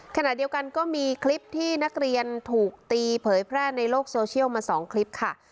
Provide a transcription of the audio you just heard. ขณะเดียวกันก็มีคลิปที่นักเรียนถูกตีเผยแพร่ในโลกโซเชียลมา๒คลิปค่ะ